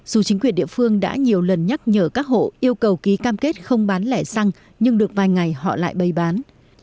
dù chính quyền địa phương đã nhiều lần nhắc nhở các hộ yêu cầu ký cam kết không bán lẻ xăng nhưng được vài ngày họ lại bày bán